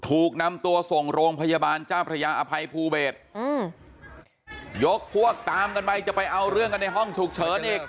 ถูกนำตัวส่งโรงพยาบาลเจ้าพระยาอภัยภูเบศอืมยกพวกตามกันไปจะไปเอาเรื่องกันในห้องฉุกเฉินอีก